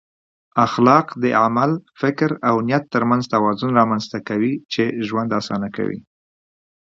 اخلاق د عمل، فکر او نیت ترمنځ توازن رامنځته کوي چې ژوند اسانه کوي.